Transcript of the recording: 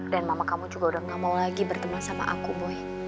dan mama kamu juga udah gak mau lagi berteman sama aku boy